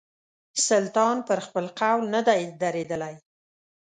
سلطان پر خپل قول نه دی درېدلی.